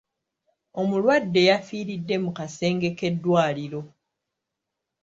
Omulwade yafiiridde mu kasenge k'eddwaliro.